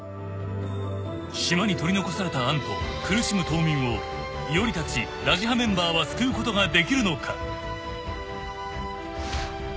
［島に取り残された杏と苦しむ島民を唯織たちラジハメンバーは救うことができるのか？］